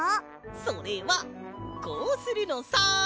それはこうするのさ！